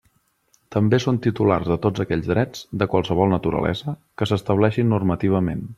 També són titulars de tots aquells drets, de qualsevol naturalesa, que s'estableixin normativament.